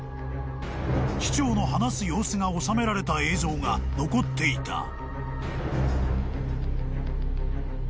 ［機長の話す様子が収められた映像が残っていた］